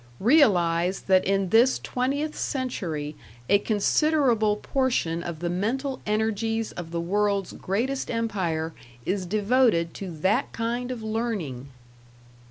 Realize that in this twentieth century a considerable portion of the mental energies of the world's greatest empire is devoted to that kind of learning!